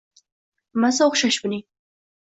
Nimasi o'xshash buning?!